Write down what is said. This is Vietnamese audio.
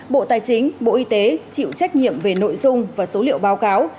bộ tài chính bộ y tế chịu trách nhiệm về nội dung và số liệu báo cáo